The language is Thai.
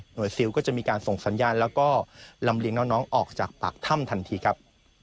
โดยซิลก็จะมีการส่งสัญญาณแล้วก็ลำเลียงน้องออกจากปากถ้ำทันทีครับ